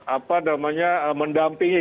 apa namanya mendampingi